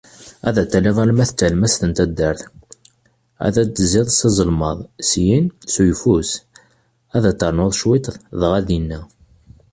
Ad taliḍ alamma d talemmast n taddert, ad tezziḍ s azelmaḍ, syin s ayeffus, ad ternuḍ cwiṭ, dɣa dinna.